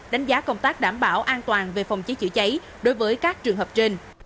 đánh giá công tác đảm bảo an toàn về phòng cháy chữa cháy đối với các trường hợp trên